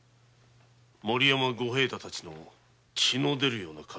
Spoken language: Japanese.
森山五平太たちの血の出るような金を。